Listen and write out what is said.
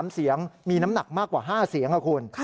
๓เสียงมีน้ำหนักมากกว่า๕เสียงค่ะคุณ